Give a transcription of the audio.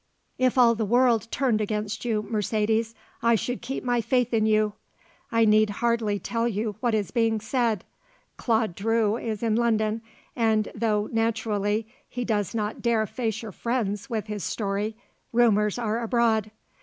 If all the world turned against you, Mercedes, I should keep my faith in you. I need hardly tell you what is being said. Claude Drew is in London and though, naturally, he does not dare face your friends with his story, rumours are abroad.